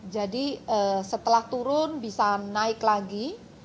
jadi setelah turun bisa naik lagi